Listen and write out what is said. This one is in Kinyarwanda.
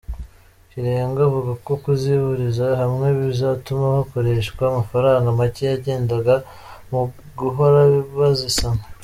Kirenga avuga ko kuzihuriza hamwe bizatuma hakoreshwa amafaranga make yagendaga mu guhora bazisana.